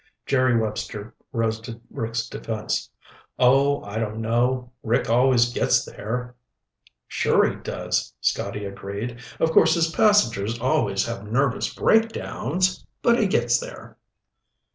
'" Jerry Webster rose to Rick's defense. "Oh, I don't know. Rick always gets there." "Sure he does," Scotty agreed. "Of course his passengers always have nervous breakdowns, but he gets there."